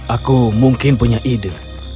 aku mungkin punya ide